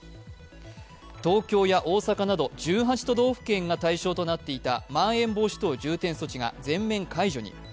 東京や大阪など１８都道府県が対象となっていたまん延防止等重点措置が全面解除に。